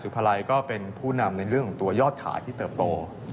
พาลัยก็เป็นผู้นำในเรื่องของตัวยอดขายที่เติบโต